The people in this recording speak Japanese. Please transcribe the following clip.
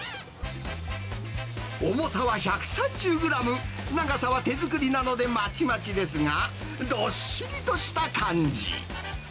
重さは１３０グラム、長さは手作りなのでまちまちですが、どっしりとした感じ。